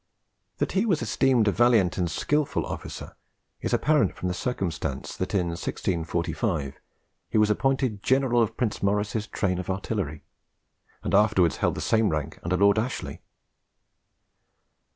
That he was esteemed a valiant and skilful officer is apparent from the circumstance, that in 1645 he was appointed general of Prince Maurice's train of artillery, and afterwards held the same rank under Lord Ashley.